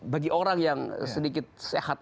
bagi orang yang sedikit sehat